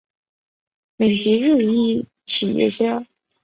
美籍日裔企业家。